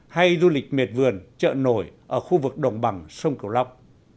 hay du lịch miệt vườn chợ nổi ở khu vực đồng bằng sông cửu long